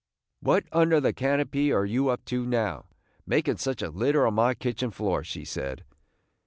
"What under the canopy you up to now, making such a litter on my kitchen floor?" she said.